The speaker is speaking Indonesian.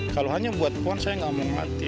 kalau hanya buat pohon saya nggak mau mati